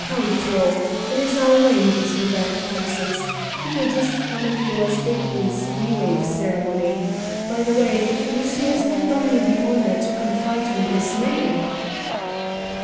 How droll! It is our way in these barbaric places; people just come and go as they please; we waive ceremony. By the way, monsieur has not done me the honour to confide to me his name."